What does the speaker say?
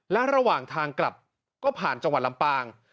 และระหว่างทางกลับก็ผ่านจังหวัดลำปาง